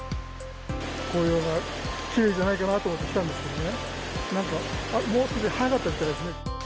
紅葉がきれいじゃないかなと思って来たんですけどね、なんか早かったみたいですね。